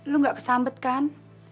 lo gak kesambet kan